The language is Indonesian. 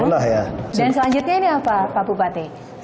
selanjutnya ini apa pak bupati